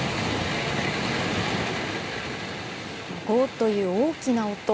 ゴーという大きな音。